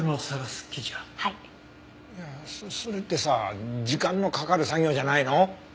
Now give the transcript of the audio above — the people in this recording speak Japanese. そそれってさ時間のかかる作業じゃないの？